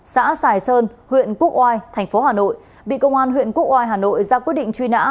xã sài sơn huyện quốc oai thành phố hà nội bị công an huyện quốc oai hà nội ra quyết định truy nã